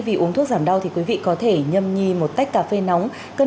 xin chào quý vị và các bạn